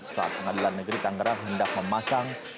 saat pengadilan negeri tangerang hendak memasang